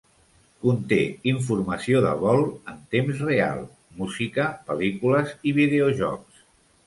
Conté informació de vol en temps real, música, pel·lícules i videojocs.